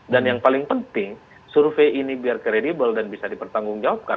dan yang paling penting survei ini biar kredibel dan bisa dipertanggungjawabkan